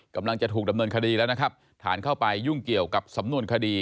กำลังจะถูกดำเนินคดีแล้วนะครับฐานเข้าไปยุ่งเกี่ยวกับสำนวนคดี